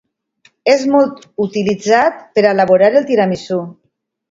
És molt utilitzat per a elaborar el tiramisú.